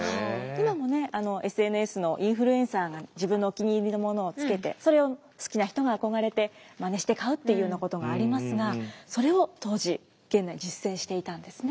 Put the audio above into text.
今もねＳＮＳのインフルエンサーが自分のお気に入りのものをつけてそれを好きな人が憧れてまねして買うっていうようなことがありますがそれを当時源内実践していたんですね。